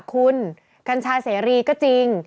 คุณกัญชาเสรีก็จริง